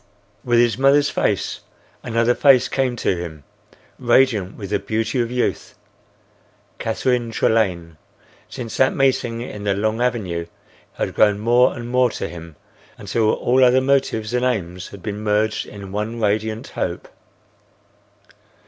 With his mother's face, another face came to him, radiant with the beauty of youth. Catherine Trelane, since that meeting in the long avenue, had grown more and more to him, until all other motives and aims had been merged in one radiant hope.